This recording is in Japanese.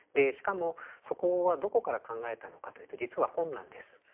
しかもそこはどこから考えたのかというと実は本なんです。